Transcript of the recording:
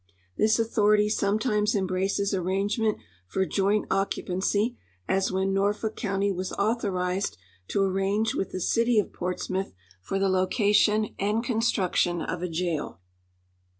This authority sometimes embraces arrangement for joint occupancy, as when Norfolk county was authorized to arrange with the city of Portsmouth for the location and construction of a jail.